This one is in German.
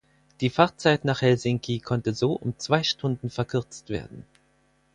Die Fahrzeit nach Helsinki konnte so um zwei Stunden verkürzt werden.